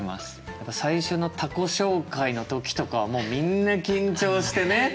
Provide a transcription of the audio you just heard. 最初の他己紹介の時とかはもうみんな緊張してね